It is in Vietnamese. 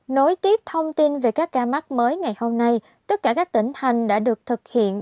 nối tiếp thông tin về các ca mắc mới ngày hôm nay tất cả các tỉnh thành đã được thực hiện